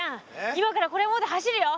今からこれ持って走るよ。